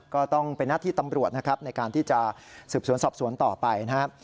ก็ต้องเป็นหน้าที่ตำรวจนะครับในการที่จะสืบสวนสอบสวนต่อไปนะครับ